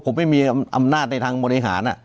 ผมไม่มีอำนาจในทางบริหาร